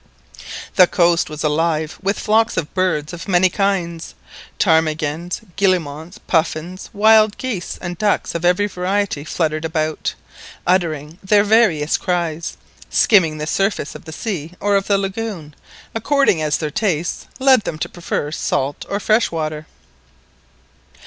The coast was alive with flocks of birds of many kinds; ptarmigans, guillemots, puffins, wild geese, and ducks of every variety fluttered about, uttering their various cries, skimming the surface of the sea or of the lagoon, according as their tastes led them to prefer salt or fresh water.